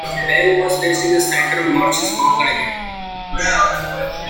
Bell was raised in Center Moriches, Long Island.